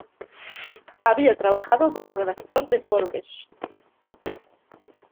Había trabajado como redactor de Forbes.